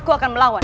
aku akan melawan